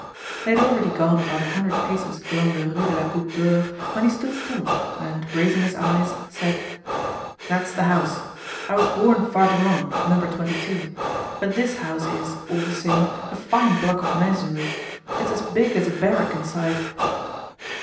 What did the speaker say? They had already gone about a hundred paces along the Rue de la Goutte d'Or, when he stood still and raising his eyes, said: "That's the house. I was born farther on, at No. 22. But this house is, all the same, a fine block of masonry! It's as big as a barrack inside!"